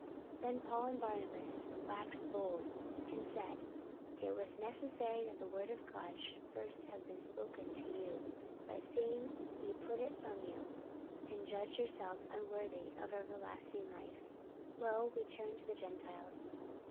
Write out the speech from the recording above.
44:013:046 Then Paul and Barnabas waxed bold, and said, It was necessary that the word of God should first have been spoken to you: but seeing ye put it from you, and judge yourselves unworthy of everlasting life, lo, we turn to the Gentiles.